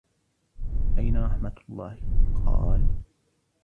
أَيْنَ رَحْمَةُ اللَّهِ ؟ قَالَ